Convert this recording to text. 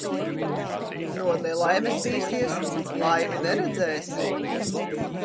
No nelaimes bīsies, laimi neredzēsi.